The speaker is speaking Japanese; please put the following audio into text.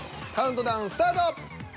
カウントダウンスタート。